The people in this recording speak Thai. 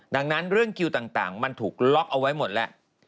ดังนั้นเรื่องคิวต่างมันถูกล็อกเอาไว้หมดแล้ว